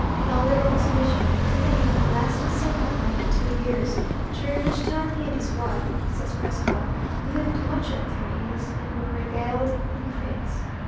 Calderon's mission to Mexico lasted somewhat more than two years, during which time he and his wife, says Prescott, "lived much at their ease," and "were regaled en prince."